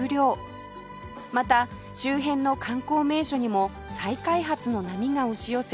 また周辺の観光名所にも再開発の波が押し寄せ